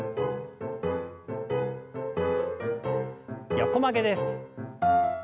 横曲げです。